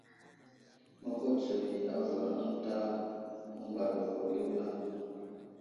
Məhutsiyo i avər ənta məmbaɗ vo i wulam.